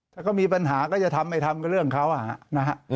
ถ้าเขามีปัญหาก็จะทำไม่ทำก็เรื่องเขานะฮะ